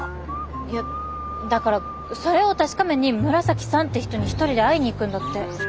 いやだからそれを確かめに紫さんって人に一人で会いに行くんだって。